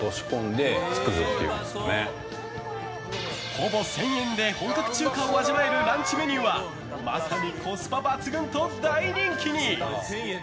ほぼ１０００円で本格中華を味わえるランチメニューはまさにコスパ抜群と大人気に。